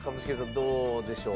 どうでしょう？